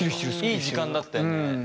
いい時間だったよね。